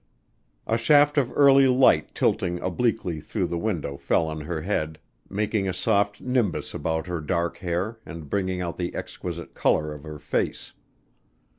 A shaft of early light tilting obliquely through the window fell on her head, making a soft nimbus about her dark hair and bringing out the exquisite color of her face.